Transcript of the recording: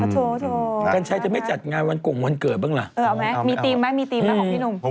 อ๋อโชว์โชว์ปกติกันชัยจะไม่จัดงานวันกรุงวันเกิดเหรอเอาไหมมีทีมมั้ยของพี่หนุ่ม